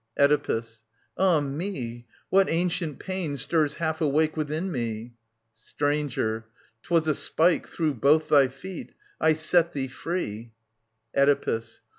Oedipus. Ah me ! What ancient pain stirs half awake Within me 1 Stranger. 'Twas a spike through both thy feet. I set thee free. Oedipus.